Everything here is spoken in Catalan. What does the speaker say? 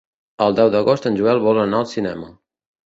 El deu d'agost en Joel vol anar al cinema.